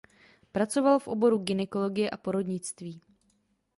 Pracoval v oboru gynekologie a porodnictví.